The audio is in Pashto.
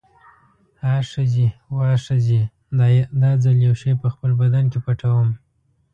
آ ښځې، واه ښځې، دا ځل یو شی په خپل بدن کې پټوم.